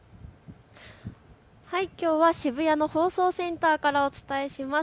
きょうは渋谷の放送センターからお伝えします。